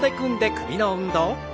首の運動です。